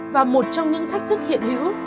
và một trong những thách thức hiện hữu